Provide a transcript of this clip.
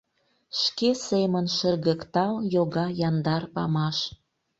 Шке семын шыргыктал йога яндар памаш!